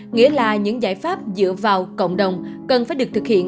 nghĩa là những giải pháp dựa vào cộng đồng cần phải được thực hiện